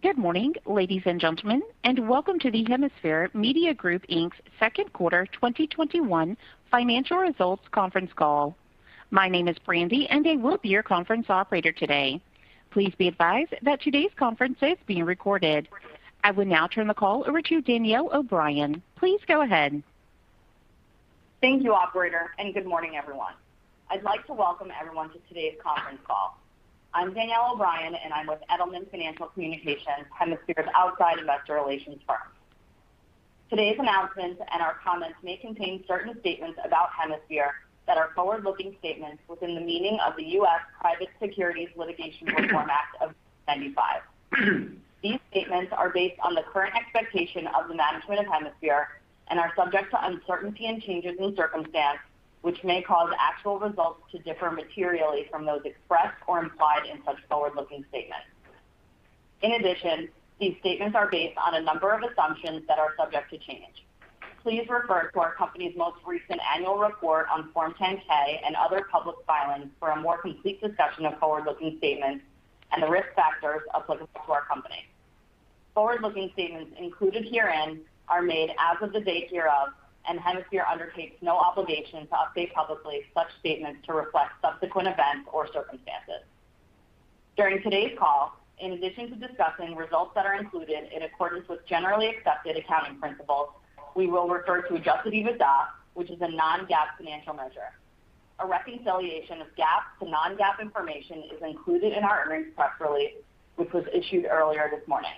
Good morning, ladies and gentlemen, and welcome to the Hemisphere Media Group, Inc.'s second quarter 2021 financial results conference call. My name is Brandy, and I will be your conference operator today. Please be advised that today's conference is being recorded. I will now turn the call over to Danielle O'Brien. Please go ahead. Thank you, operator, and good morning, everyone. I'd like to welcome everyone to today's conference call. I'm Danielle O'Brien, and I'm with Edelman Financial Communications, Hemisphere's outside investor relations firm. Today's announcements and our comments may contain certain statements about Hemisphere that are forward-looking statements within the meaning of the U.S. Private Securities Litigation Reform Act of 1995. These statements are based on the current expectation of the management of Hemisphere and are subject to uncertainty and changes in circumstance, which may cause actual results to differ materially from those expressed or implied in such forward-looking statements. In addition, these statements are based on a number of assumptions that are subject to change. Please refer to our company's most recent annual report on Form 10-K and other public filings for a more complete discussion of forward-looking statements and the risk factors applicable to our company. Forward-looking statements included herein are made as of the date hereof, and Hemisphere undertakes no obligation to update publicly such statements to reflect subsequent events or circumstances. During today's call, in addition to discussing results that are included in accordance with generally accepted accounting principles, we will refer to adjusted EBITDA, which is a non-GAAP financial measure. A reconciliation of GAAP to non-GAAP information is included in our earnings press release, which was issued earlier this morning.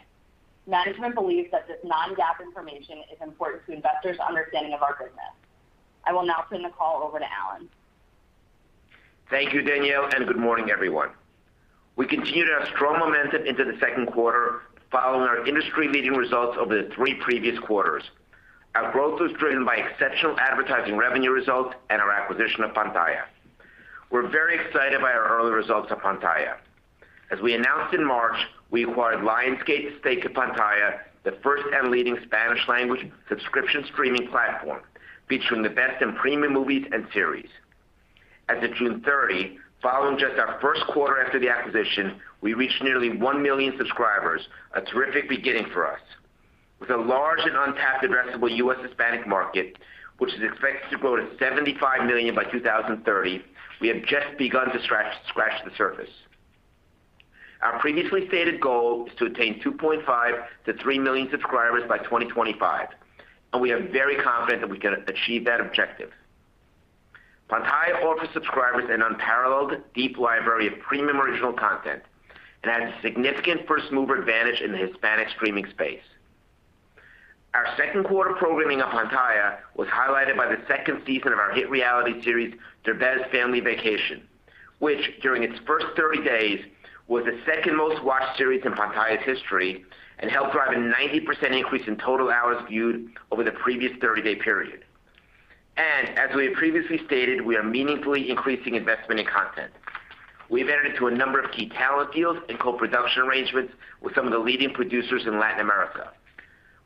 Management believes that this non-GAAP information is important to investors' understanding of our business. I will now turn the call over to Alan. Thank you, Danielle, and good morning, everyone. We continued our strong momentum into the second quarter following our industry-leading results over the three previous quarters. Our growth was driven by exceptional advertising revenue results and our acquisition of Pantaya. We're very excited by our early results at Pantaya. As we announced in March, we acquired Lionsgate's stake in Pantaya, the first and leading Spanish-language subscription streaming platform featuring the best in premium movies and series. As of June 30, following just our first quarter after the acquisition, we reached nearly one million subscribers, a terrific beginning for us. With a large and untapped addressable U.S. Hispanic market, which is expected to grow to 75 million by 2030, we have just begun to scratch the surface. Our previously stated goal is to attain 2.5-3 million subscribers by 2025. We are very confident that we can achieve that objective. Pantaya offers subscribers an unparalleled deep library of premium original content and has a significant first-mover advantage in the Hispanic streaming space. Our second quarter programming of Pantaya was highlighted by the second season of our hit reality series, Derbez Family Vacation, which, during its first 30 days, was the second most-watched series in Pantaya's history and helped drive a 90% increase in total hours viewed over the previous 30-day period. As we have previously stated, we are meaningfully increasing investment in content. We've entered into a number of key talent deals and co-production arrangements with some of the leading producers in Latin America.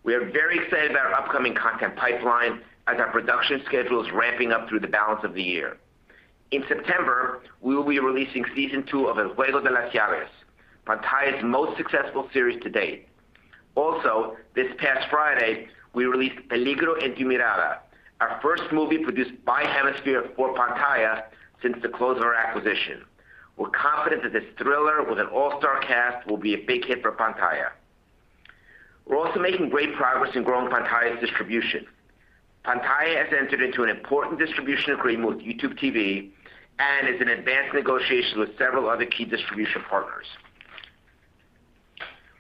We are very excited about our upcoming content pipeline as our production schedule is ramping up through the balance of the year. In September, we will be releasing season two of El Juego de las Llaves, Pantaya's most successful series to date. Also, this past Friday, we released Peligro en tu mirada, our first movie produced by Hemisphere for Pantaya since the close of our acquisition. We're confident that this thriller with an all-star cast will be a big hit for Pantaya. We're also making great progress in growing Pantaya's distribution. Pantaya has entered into an important distribution agreement with YouTube TV and is in advanced negotiations with several other key distribution partners.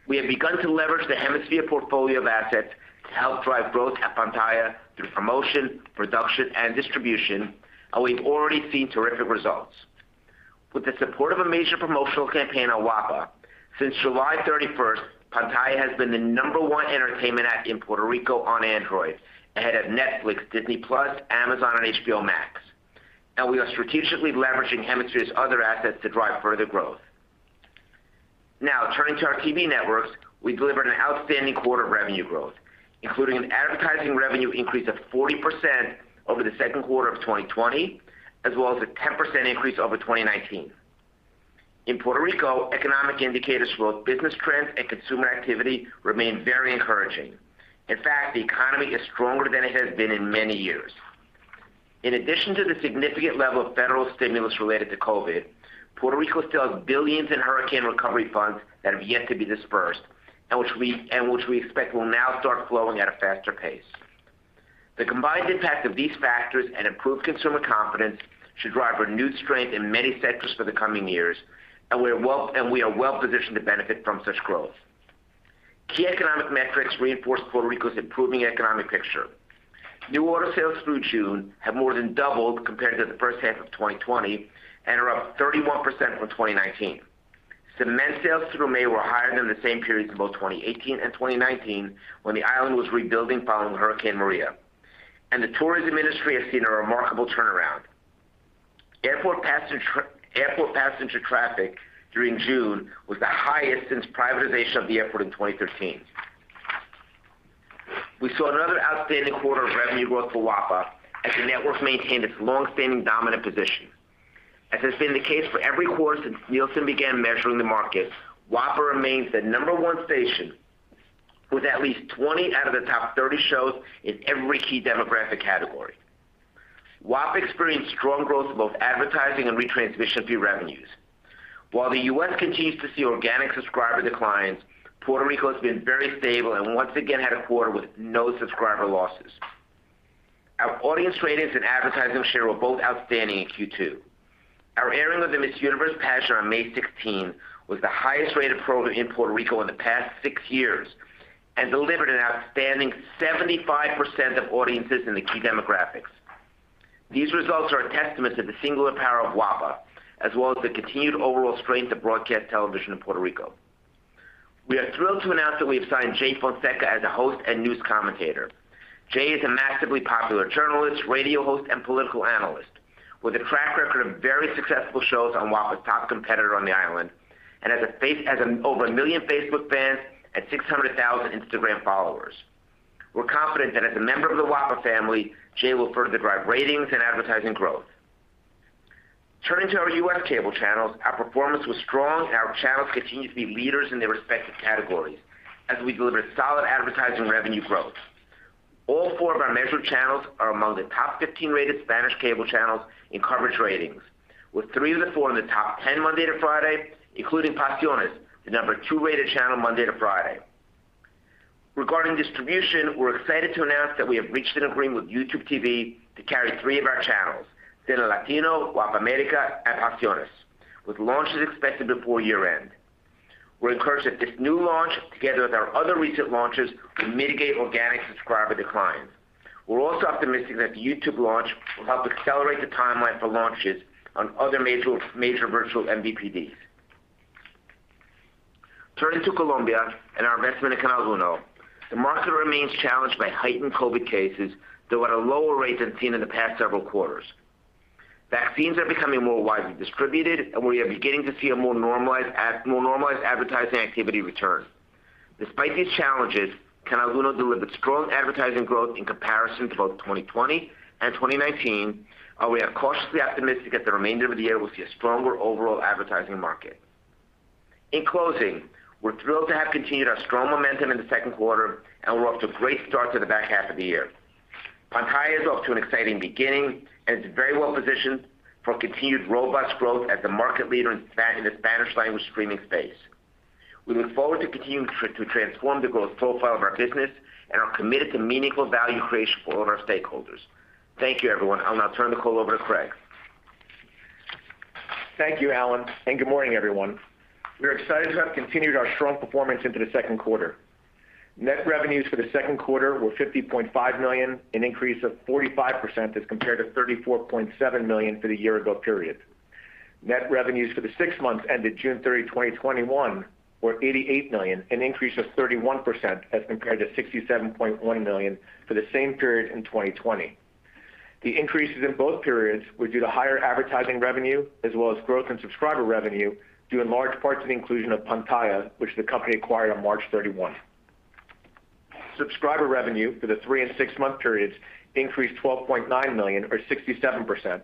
We have begun to leverage the Hemisphere portfolio of assets to help drive growth at Pantaya through promotion, production, and distribution, and we've already seen terrific results. With the support of a major promotional campaign on WAPA, since July 31, Pantaya has been the number one entertainment app in Puerto Rico on Android, ahead of Netflix, Disney Plus, Amazon, and HBO Max. We are strategically leveraging Hemisphere's other assets to drive further growth. Now, turning to our TV networks. We delivered an outstanding quarter of revenue growth, including an advertising revenue increase of 40% over the second quarter of 2020, as well as a 10% increase over 2019. In Puerto Rico, economic indicators for both business trends and consumer activity remain very encouraging. In fact, the economy is stronger than it has been in many years. In addition to the significant level of federal stimulus related to COVID, Puerto Rico still has $ billions in hurricane recovery funds that have yet to be disbursed, and which we expect will now start flowing at a faster pace. The combined impact of these factors and improved consumer confidence should drive renewed strength in many sectors for the coming years, and we are well-positioned to benefit from such growth. Key economic metrics reinforce Puerto Rico's improving economic picture. New order sales through June have more than doubled compared to the first half of 2020 and are up 31% from 2019. Cement sales through May were higher than the same periods in both 2018 and 2019 when the island was rebuilding following Hurricane Maria. The tourism industry has seen a remarkable turnaround. Airport passenger traffic during June was the highest since privatization of the airport in 2013. We saw another outstanding quarter of revenue growth for WAPA as the network maintained its longstanding dominant position. As has been the case for every quarter since Nielsen began measuring the market, WAPA remains the number one station with at least 20 out of the top 30 shows in every key demographic category. WAPA experienced strong growth in both advertising and retransmission fee revenues. While the U.S. continues to see organic subscriber declines, Puerto Rico has been very stable and once again had a quarter with no subscriber losses. Our audience ratings and advertising share were both outstanding in Q2. Our airing of the Miss Universe pageant on May 16 was the highest-rated program in Puerto Rico in the past six years and delivered an outstanding 75% of audiences in the key demographics. These results are a testament to the singular power of WAPA, as well as the continued overall strength of broadcast television in Puerto Rico. We are thrilled to announce that we have signed Jay Fonseca as a host and news commentator. Jay is a massively popular journalist, radio host, and political analyst with a track record of very successful shows on WAPA's top competitor on the island, and has over one million Facebook fans and 600,000 Instagram followers. We're confident that as a member of the WAPA family, Jay will further drive ratings and advertising growth. Turning to our U.S. cable channels, our performance was strong, and our channels continue to be leaders in their respective categories as we delivered solid advertising revenue growth. All four of our measured channels are among the top 15 rated Spanish cable channels in coverage ratings, with three of the four in the top 10 Monday to Friday, including Pasiones, the number two rated channel Monday to Friday. Regarding distribution, we're excited to announce that we have reached an agreement with YouTube TV to carry three of our channels, Cinelatino, WAPA América, and Pasiones, with launches expected before year-end. We're encouraged that this new launch, together with our other recent launches, will mitigate organic subscriber decline. We're also optimistic that the YouTube launch will help accelerate the timeline for launches on other major virtual MVPDs. Turning to Colombia and our investment in Canal 1, the market remains challenged by heightened COVID cases, though at a lower rate than seen in the past several quarters. Vaccines are becoming more widely distributed, we are beginning to see a more normalized advertising activity return. Despite these challenges, Canal 1 delivered strong advertising growth in comparison to both 2020 and 2019, and we are cautiously optimistic that the remainder of the year will see a stronger overall advertising market. In closing, we're thrilled to have continued our strong momentum in the second quarter, and we're off to a great start to the back half of the year. Pantaya is off to an exciting beginning, and it's very well positioned for continued robust growth as the market leader in the Spanish-language streaming space. We look forward to continuing to transform the growth profile of our business and are committed to meaningful value creation for all of our stakeholders. Thank you, everyone. I'll now turn the call over to Craig. Thank you, Alan. Good morning, everyone. We are excited to have continued our strong performance into the second quarter. Net revenues for the second quarter were $50.5 million, an increase of 45% as compared to $34.7 million for the year-ago period. Net revenues for the six months ended June 30, 2021, were $88 million, an increase of 31% as compared to $67.1 million for the same period in 2020. The increases in both periods were due to higher advertising revenue as well as growth in subscriber revenue, due in large part to the inclusion of Pantaya, which the company acquired on March 31. Subscriber revenue for the three and six-month periods increased $12.9 million or 67%,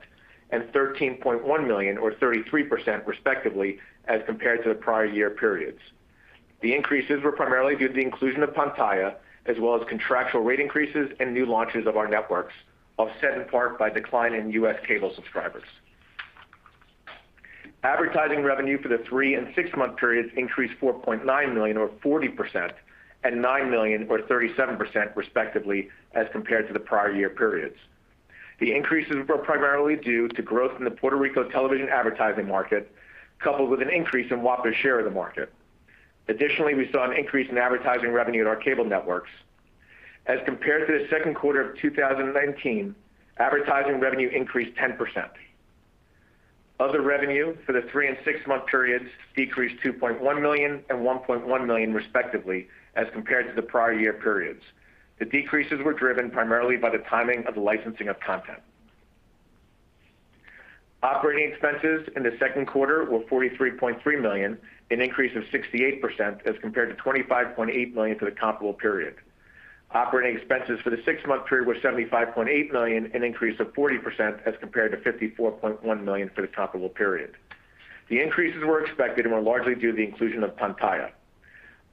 and $13.1 million or 33%, respectively, as compared to the prior-year periods. The increases were primarily due to the inclusion of Pantaya, as well as contractual rate increases and new launches of our networks, offset in part by decline in U.S. cable subscribers. Advertising revenue for the 3 and 6-month periods increased $4.9 million or 40%, and $9 million or 37%, respectively, as compared to the prior year periods. The increases were primarily due to growth in the Puerto Rico television advertising market, coupled with an increase in WAPA's share of the market. We saw an increase in advertising revenue at our cable networks. As compared to the second quarter of 2019, advertising revenue increased 10%. Other revenue for the three and six-month periods decreased $2.1 million and $1.1 million, respectively, as compared to the prior year periods. The decreases were driven primarily by the timing of the licensing of content. Operating expenses in the second quarter were $43.3 million, an increase of 68% as compared to $25.8 million for the comparable period. Operating expenses for the six-month period were $75.8 million, an increase of 40% as compared to $54.1 million for the comparable period. The increases were expected and were largely due to the inclusion of Pantaya.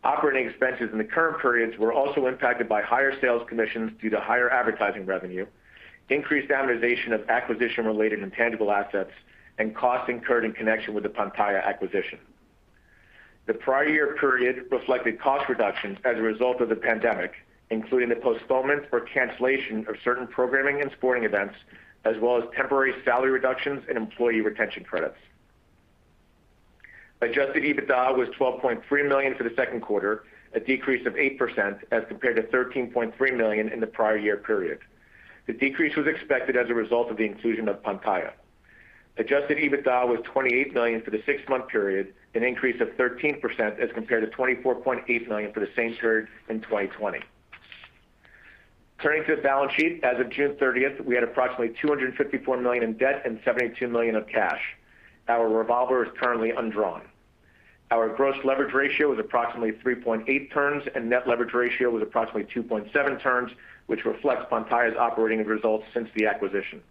Operating expenses in the current periods were also impacted by higher sales commissions due to higher advertising revenue, increased amortization of acquisition-related intangible assets, and costs incurred in connection with the Pantaya acquisition. The prior year period reflected cost reductions as a result of the pandemic, including the postponement or cancellation of certain programming and sporting events, as well as temporary salary reductions and employee retention credits. Adjusted EBITDA was $12.3 million for the second quarter, a decrease of 8% as compared to $13.3 million in the prior year period. The decrease was expected as a result of the inclusion of Pantaya. Adjusted EBITDA was $28 million for the six-month period, an increase of 13% as compared to $24.8 million for the same period in 2020. Turning to the balance sheet, as of June 30th, we had approximately $254 million in debt and $72 million of cash. Our revolver is currently undrawn. Our gross leverage ratio was approximately 3.8 turns, and net leverage ratio was approximately 2.7 turns, which reflects Pantaya's operating results since the acquisition.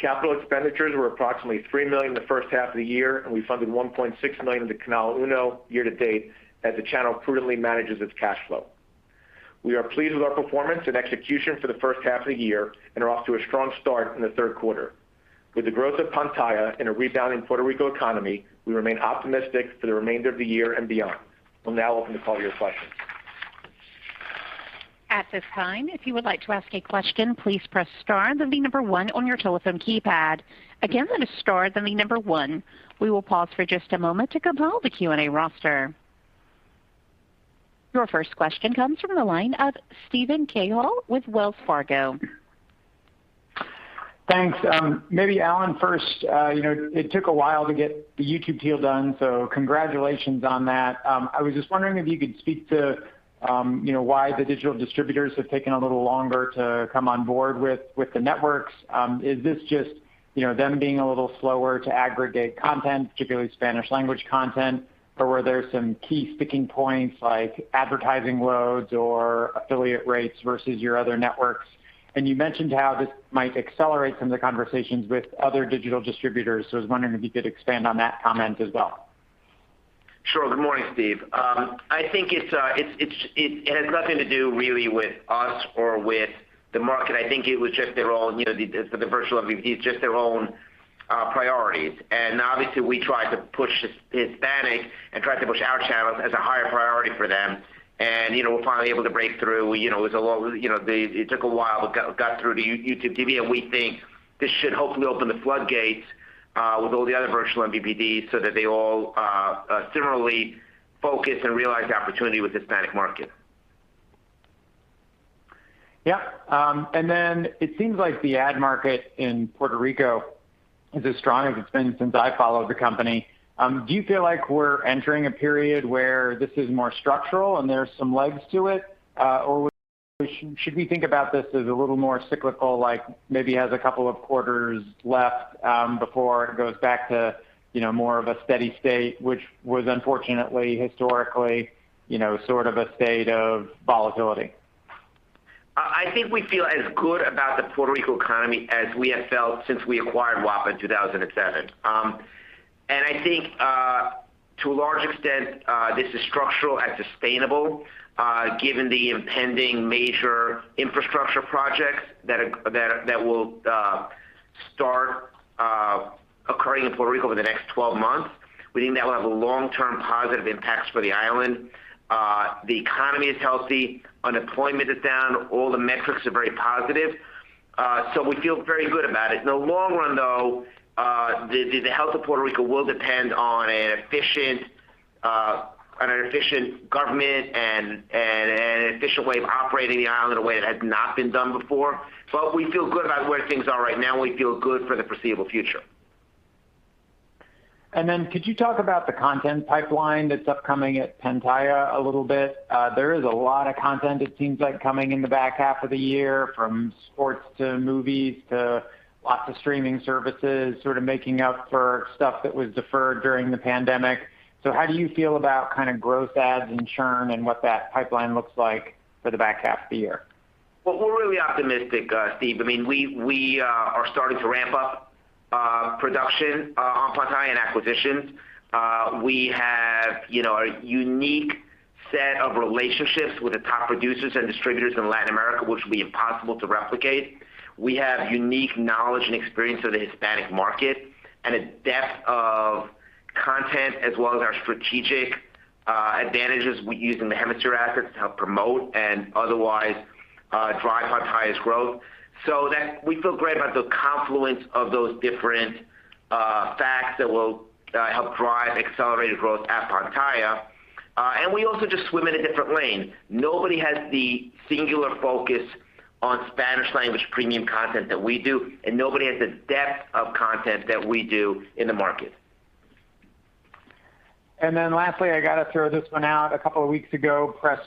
Capital expenditures were approximately $3 million the first half of the year, and we funded $1.6 million to Canal 1 year to date as the channel prudently manages its cash flow. We are pleased with our performance and execution for the first half of the year and are off to a strong start in the third quarter. With the growth of Pantaya and a rebounding Puerto Rico economy, we remain optimistic for the remainder of the year and beyond. We'll now open the call to your questions. At this time, if you would like to ask a question, please press star, then the number one on your telephone keypad. Again, that is star, then the number one. We will pause for just a moment to compile the Q&A roster. Your first question comes from the line of Steven Cahall with Wells Fargo. Thanks. Maybe Alan first. It took a while to get the YouTube deal done, congratulations on that. I was just wondering if you could speak to why the digital distributors have taken a little longer to come on board with the networks. Is this just them being a little slower to aggregate content, particularly Spanish language content, or were there some key sticking points like advertising loads or affiliate rates versus your other networks? You mentioned how this might accelerate some of the conversations with other digital distributors. I was wondering if you could expand on that comment as well. Sure. Good morning, Steve. I think it has nothing to do really with us or with the market. I think it was just their own priorities. Obviously we tried to push Hispanic and tried to push our channels as a higher priority for them. We're finally able to break through. It took a while, but got through to YouTube TV, and we think this should hopefully open the floodgates with all the other virtual MVPDs so that they all similarly focus and realize the opportunity with the Hispanic market. Yeah. It seems like the ad market in Puerto Rico is as strong as it's been since I followed the company. Do you feel like we're entering a period where this is more structural and there's some legs to it? Should we think about this as a little more cyclical, like maybe it has a couple of quarters left before it goes back to more of a steady state, which was unfortunately historically sort of a state of volatility? I think we feel as good about the Puerto Rico economy as we have felt since we acquired WAPA in 2007. I think to a large extent, this is structural and sustainable given the impending major infrastructure projects that will start occurring in Puerto Rico over the next 12 months. We think that will have long-term positive impacts for the island. The economy is healthy. Unemployment is down. All the metrics are very positive. We feel very good about it. In the long run, though, the health of Puerto Rico will depend on an efficient government and an efficient way of operating the island in a way that has not been done before. We feel good about where things are right now, and we feel good for the foreseeable future. Could you talk about the content pipeline that's upcoming at Pantaya a little bit? There is a lot of content it seems like coming in the back half of the year, from sports to movies to lots of streaming services, sort of making up for stuff that was deferred during the pandemic. How do you feel about growth adds and churn and what that pipeline looks like for the back half of the year? We're really optimistic, Steve. We are starting to ramp up production on Pantaya and acquisitions. We have a unique set of relationships with the top producers and distributors in Latin America, which will be impossible to replicate. We have unique knowledge and experience of the Hispanic market and a depth of content as well as our strategic advantages we use in the Hemisphere assets to help promote and otherwise drive Pantaya's growth. We feel great about the confluence of those different facts that will help drive accelerated growth at Pantaya. We also just swim in a different lane. Nobody has the singular focus on Spanish language premium content that we do, and nobody has the depth of content that we do in the market. Lastly, I got to throw this one out. A couple of weeks ago, press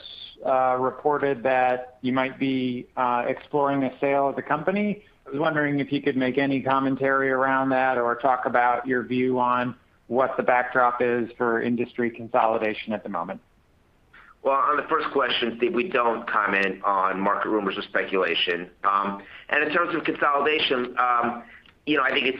reported that you might be exploring a sale of the company. I was wondering if you could make any commentary around that or talk about your view on what the backdrop is for industry consolidation at the moment. Well, on the first question, Steve, we don't comment on market rumors or speculation. In terms of consolidation, obviously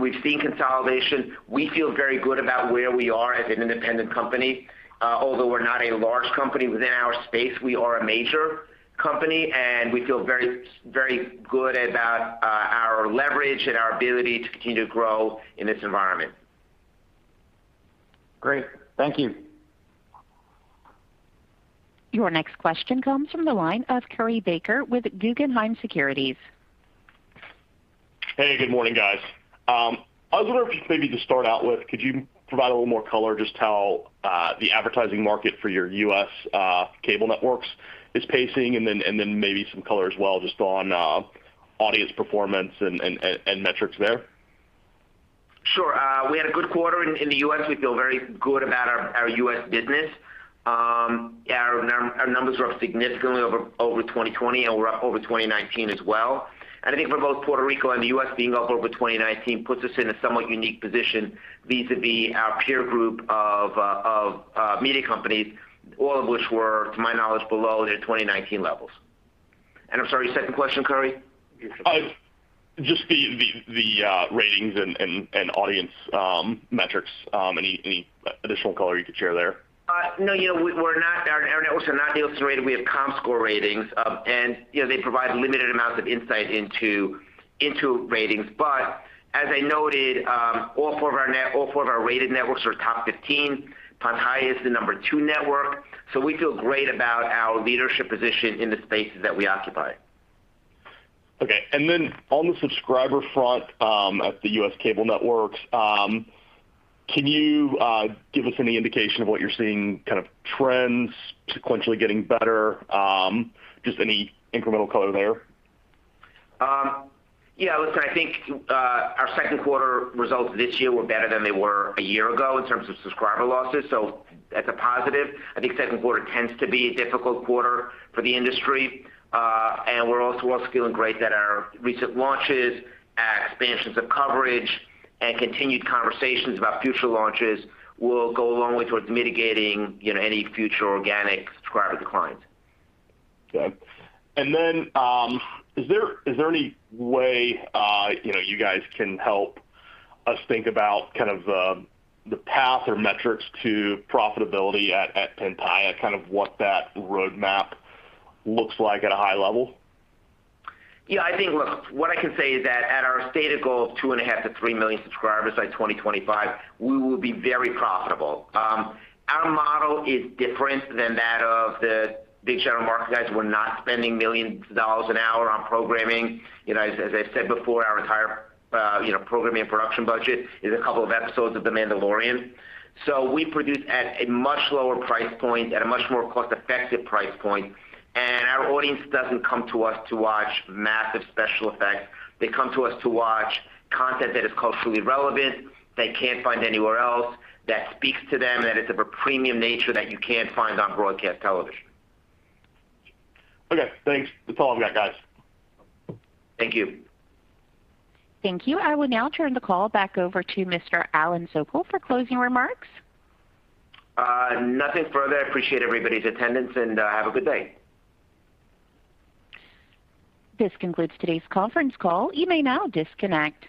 we've seen consolidation. We feel very good about where we are as an independent company. Although we're not a large company within our space, we are a major company, and we feel very good about our leverage and our ability to continue to grow in this environment. Great. Thank you. Your next question comes from the line of Curry Baker with Guggenheim Securities. Hey, good morning, guys. I was wondering if maybe to start out with, could you provide a little more color just how the advertising market for your U.S. cable networks is pacing, then maybe some color as well just on audience performance and metrics there? Sure. We had a good quarter in the U.S. We feel very good about our U.S. business. Our numbers are up significantly over 2020, and we're up over 2019 as well. I think for both Puerto Rico and the U.S., being up over 2019 puts us in a somewhat unique position vis-a-vis our peer group of media companies, all of which were, to my knowledge, below their 2019 levels. I'm sorry, second question, Curry? Just the ratings and audience metrics. Any additional color you could share there? No. Our networks are not Nielsen rated. We have Comscore ratings. They provide limited amounts of insight into ratings. As I noted, all four of our rated networks are top 15. Pantaya is the number 2 network. We feel great about our leadership position in the spaces that we occupy. Okay. On the subscriber front at the U.S. cable networks, can you give us any indication of what you're seeing, kind of trends sequentially getting better? Just any incremental color there? I think our second quarter results this year were better than they were a year ago in terms of subscriber losses. That's a positive. I think second quarter tends to be a difficult quarter for the industry. We're also feeling great that our recent launches, our expansions of coverage, and continued conversations about future launches will go a long way towards mitigating any future organic subscriber declines. Okay. Is there any way you guys can help us think about kind of the path or metrics to profitability at Pantaya, kind of what that roadmap looks like at a high level? I think what I can say is that at our stated goal of 2.5-3 million subscribers by 2025, we will be very profitable. Our model is different than that of the big general market guys. We're not spending millions of dollars an hour on programming. As I said before, our entire programming and production budget is a couple of episodes of The Mandalorian. We produce at a much lower price point, at a much more cost-effective price point. Our audience doesn't come to us to watch massive special effects. They come to us to watch content that is culturally relevant, they can't find anywhere else, that speaks to them, that is of a premium nature that you can't find on broadcast television. Okay, thanks. That's all I've got, guys. Thank you. Thank you. I will now turn the call back over to Mr. Alan Sokol for closing remarks. Nothing further. I appreciate everybody's attendance, and have a good day. This concludes today's conference call. You may now disconnect.